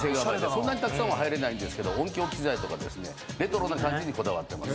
そんなにたくさんは入れないんですけど音響機材とかですねレトロな感じにこだわってます。